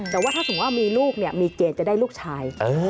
แต่ว่าถ้าสมมุติว่ามีลูกเนี่ยมีเกณฑ์จะได้ลูกชาย